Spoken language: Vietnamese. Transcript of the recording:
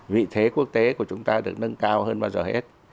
vị thế quốc tế của chúng ta được nâng cao hơn bao giờ hết